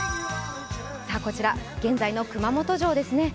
こちら現在の熊本城ですね。